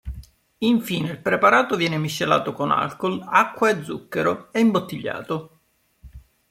Infine il preparato viene miscelato con alcol, acqua e zucchero e imbottigliato.